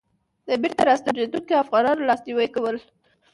د بېرته راستنېدونکو افغانانو لاسنيوی کول.